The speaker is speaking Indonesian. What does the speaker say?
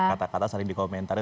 kata kata saling dikomentari